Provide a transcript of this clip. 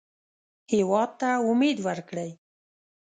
هېواد ته امید ورکړئ